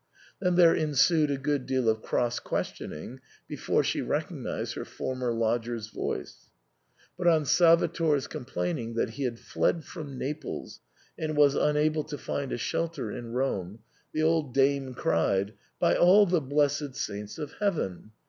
Then there ensued a good deal of cross questioning before she recognised her former lodger's voice ; but on Salvator's complaining that he had fled from Naples and was unable to find a shelter in Rome, the old dame cried, "By all the blessed saints of Heaven